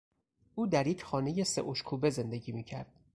او در یک خانهی سه اشکوبه زندگی میکرد.